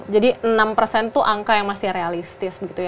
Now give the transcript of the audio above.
jadi enam itu angka yang masih realistis gitu ya